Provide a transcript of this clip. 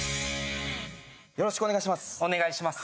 よろしくお願いします